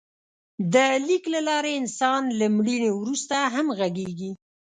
د لیک له لارې انسان له مړینې وروسته هم غږېږي.